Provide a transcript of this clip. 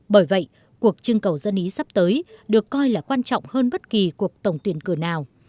bởi vậy cuộc trưng cầu dân ý sắp tới được coi là quan trọng hơn bất kỳ cuộc tổng tuyển cử nào